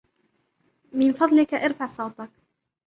من فضلك، ارفع صوتك.